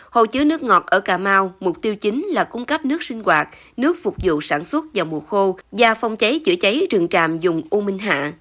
hồ chứa nước ngọt ở cà mau mục tiêu chính là cung cấp nước sinh hoạt nước phục vụ sản xuất vào mùa khô và phong cháy chữa cháy rừng tràm dùng u minh hạ